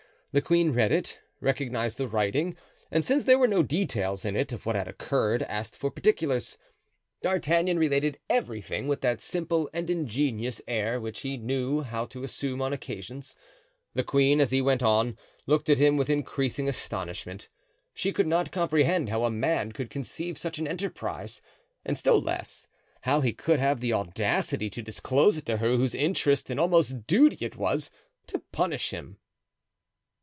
The queen read it, recognized the writing, and, since there were no details in it of what had occurred, asked for particulars. D'Artagnan related everything with that simple and ingenuous air which he knew how to assume on occasions. The queen, as he went on, looked at him with increasing astonishment. She could not comprehend how a man could conceive such an enterprise and still less how he could have the audacity to disclose it to her whose interest and almost duty it was to punish him.